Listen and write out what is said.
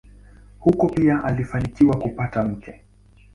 Huko pia alifanikiwa kupata mke.